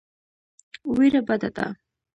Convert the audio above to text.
وېره بده ده.